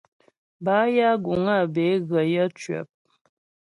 Bâ ya guŋ á bə́ é ghə yə̌ cwəp.